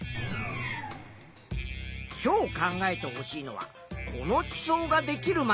今日考えてほしいのはこの地層ができるまでの歴史だ。